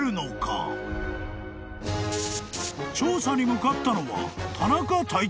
［調査に向かったのは］